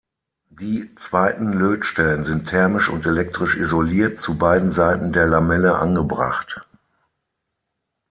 Die zweiten Lötstellen sind thermisch und elektrisch isoliert zu beiden Seiten der Lamelle angebracht.